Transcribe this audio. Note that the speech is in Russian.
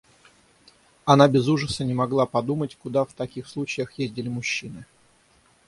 Она без ужаса не могла подумать, куда в таких случаях ездили мужчины.